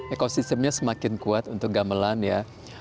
eko sistemnya semakin kuat untuk gamelan ya